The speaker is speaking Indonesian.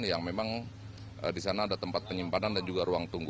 yang memang di sana ada tempat penyimpanan dan juga ruang tunggu